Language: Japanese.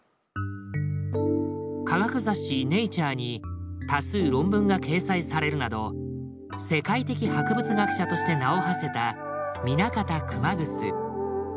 科学雑誌「ネイチャー」に多数論文が掲載されるなど世界的博物学者として名をはせた南方熊楠。